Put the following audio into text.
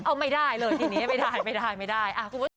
เอ้าไม่ได้เลยทีนี้ไม่ได้